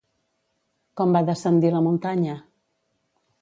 Com va descendir la muntanya?